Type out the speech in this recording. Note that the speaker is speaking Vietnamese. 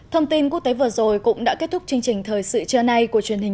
thông tin quốc tế vừa rồi cũng đã kết thúc chương trình thời sự trưa nay của truyền hình